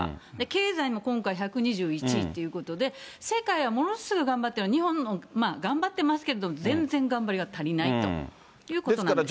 経済も今回、１２１位っていうことで、世界はものすごい頑張ってるのに、日本も頑張ってますけれども、全然頑張りが足りないということなんです。